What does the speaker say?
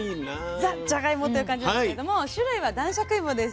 ザじゃがいもという感じなんですけれども種類は男爵いもです。